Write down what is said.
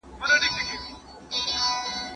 استازي څنګه له رییس سره خبري کوي؟